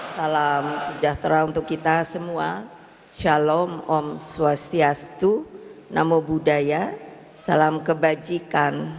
salam sejahtera untuk kita semua shalom om swastiastu namo buddhaya salam kebajikan